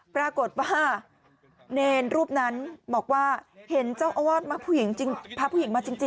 ปรากฏเนรรรูปนั้นบอกว่าเห็นเจ้าอาวาสพ่อผู้หญิงมาจริงน่ะ